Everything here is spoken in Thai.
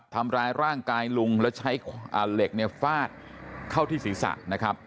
ทำร้ายร่างกายลุงแล้วใช้เหล็กเนี่ยฟาดเข้าที่ศีรษะนะครับ